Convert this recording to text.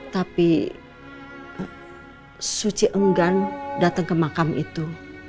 tapi suci enggan datang ke makam itu